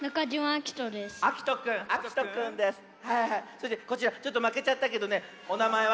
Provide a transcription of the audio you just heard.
そしてこちらちょっとまけちゃったけどねおなまえは？